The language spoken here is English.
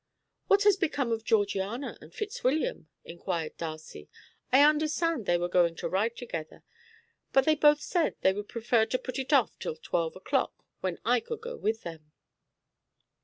"What has become of Georgiana and Fitzwilliam?" inquired Darcy. "I understand they were going to ride together; but they both said they would prefer to put it off till twelve o'clock, when I could go with them."